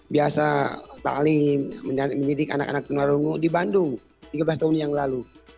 biasa saling mendidik anak anak darul asyom di bandung tiga belas tahun yang lalu